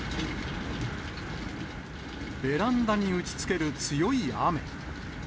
ベランダに打ちつける強い雨。